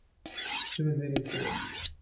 deux éléphants.